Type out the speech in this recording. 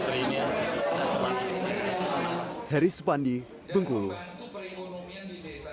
karena kami yang pendamping ini kalau bisa jadi menteri ini ya